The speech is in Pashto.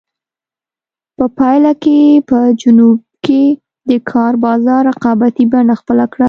په پایله کې په جنوب کې د کار بازار رقابتي بڼه خپله کړه.